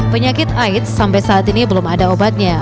penyakit aids sampai saat ini belum ada obatnya